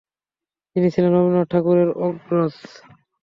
তিনি ছিলেন রবীন্দ্রনাথ ঠাকুরের অগ্রজ।